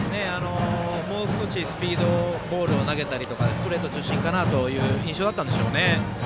もう少しスピードボールを投げたりとかストレート中心かなという印象だったんでしょうね。